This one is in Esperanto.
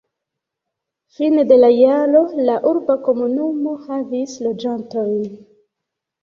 Fine de la jaro la urba komunumo havis loĝantojn.